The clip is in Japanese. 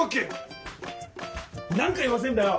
何回言わせんだよ！